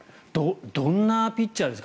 どんなピッチャーですか。